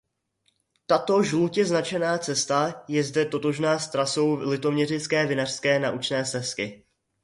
Tato žlutě značená cesta je zde totožná s trasou Litoměřické vinařské naučné stezky.